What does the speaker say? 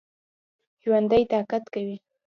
ژوندي طاعت کوي